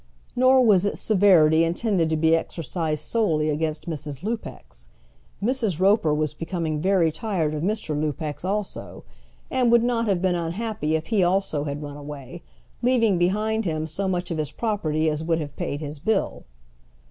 Nor was its severity intended to be exercised solely against Mrs. Lupex. Mrs. Roper was becoming very tired of Mr. Lupex also, and would not have been unhappy if he also had run away, leaving behind him so much of his property as would have paid his bill.